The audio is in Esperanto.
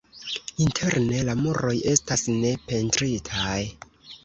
Interne la muroj estas ne pentritaj.